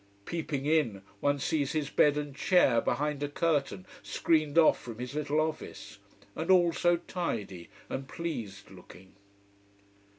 Peeping in, one sees his bed and chair behind a curtain, screened off from his little office. And all so tidy and pleased looking.